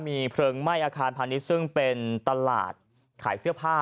มีเพลิงไหม้อาคารพาณิชย์ซึ่งเป็นตลาดขายเสื้อผ้า